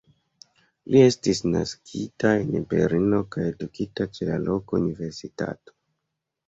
Li estis naskita en Berlino kaj edukita ĉe la loka universitato.